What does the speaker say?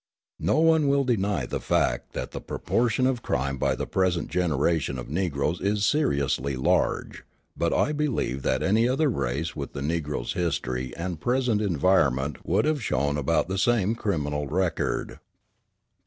No one will deny the fact that the proportion of crime by the present generation of Negroes is seriously large, but I believe that any other race with the Negro's history and present environment would have shown about the same criminal record.